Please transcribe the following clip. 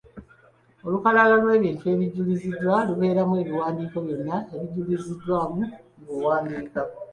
Olukalala lw’ebintu ebijuliziddwa lubeeramu ebiwandiiko byonna ebijuliziddwamu ng’owandiika.